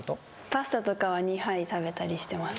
パスタとかは２杯食べたりしてます。